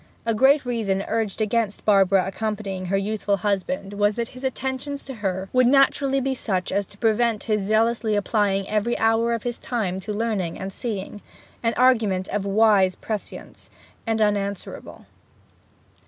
A great reason urged against Barbara accompanying her youthful husband was that his attentions to her would naturally be such as to prevent his zealously applying every hour of his time to learning and seeing an argument of wise prescience, and unanswerable.